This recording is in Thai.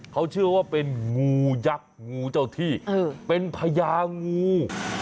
เขาเชื่อว่าเป็นงูยักษ์งูเจ้าที่เป็นพญางู